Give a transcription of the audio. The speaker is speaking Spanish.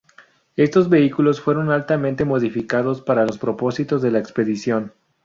Estos vehículos fueron altamente modificados para los propósitos de la expedición.